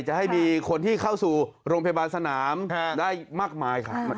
จะให้มีคนที่เข้าสู่โรงพยาบาลสนามได้มากมายครับ